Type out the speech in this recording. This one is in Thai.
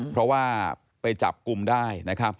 เพราะว่าไปจับกุมได้